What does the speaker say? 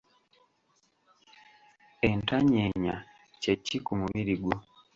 Entanyeenya kye ki ku mubiri gwo?